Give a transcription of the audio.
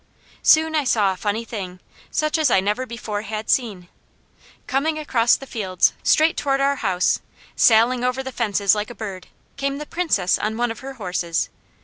Soon I saw a funny thing, such as I never before had seen. Coming across the fields, straight toward our house, sailing over the fences like a bird, came the Princess on one of her horses.